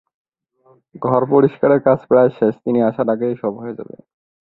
Guarantee দিয়েছেন বাক্ স্বাধীনতা ও মানবিক মূল্যবোধের।